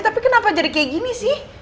tapi kenapa jadi kayak gini sih